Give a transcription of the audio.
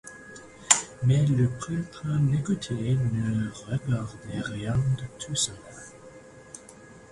Mais le prêtre n’écoutait, ne regardait rien de tout cela.